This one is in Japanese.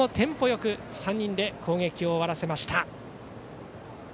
よく３人で攻撃を終わらせました。